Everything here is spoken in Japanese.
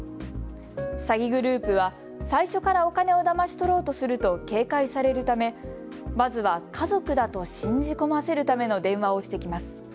詐欺グループは、最初からお金をだまし取ろうとすると警戒されるため、まずは家族だと信じ込ませるための電話をしてきます。